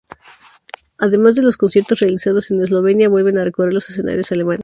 Además de los conciertos realizados en Eslovenia, vuelven a recorrer los escenarios alemanes.